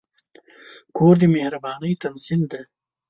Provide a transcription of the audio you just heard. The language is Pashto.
کور د مهربانۍ تمثیل دی.